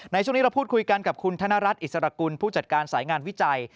ในช่วงนี้เราพูดคุยกันกับคุณธนรัฐอิสรกุลผู้จัดการสายงานวิจัย